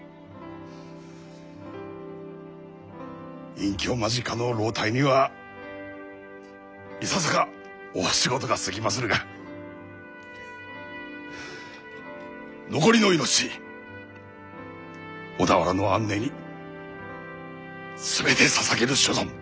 隠居間近の老体にはいささか大仕事が過ぎまするが残りの命小田原の安寧に全てささげる所存。